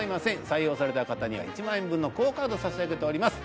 採用された方には１万円分のＱＵＯカード差し上げております